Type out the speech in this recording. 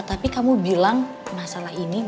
tapi kalian bilang masalah ini wisdom